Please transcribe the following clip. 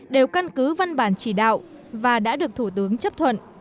đều căn cứ văn bản chỉ đạo và đã được thủ tướng chấp thuận